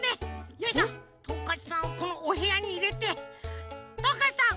よいしょトンカチさんをこのおへやにいれてトンカチさん